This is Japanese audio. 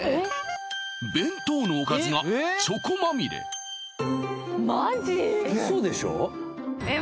弁当のおかずがチョコまみれ嘘でしょ？